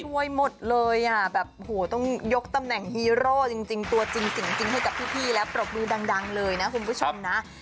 ช่วยหมดเลยต้องยกตำแหน่งฮีโร่จริงตัวจริงให้กับพี่และปรบดูดังเลยนะคุณผู้ชมนะ